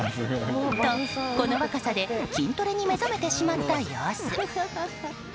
と、この若さで筋トレに目覚めてしまった様子。